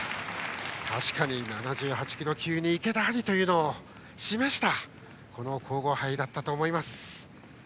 確かに７８キロ級に池田ありというそのことを示したこの皇后杯だったと思います。